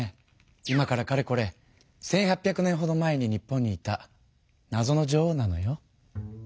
今からかれこれ１８００年ほど前に日本にいたなぞの女王なのよ。